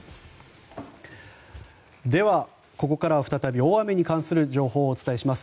では、ここからは再び大雨に関する情報をお伝えします。